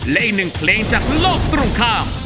และอีกหนึ่งเพลงจากโลกตรงข้าม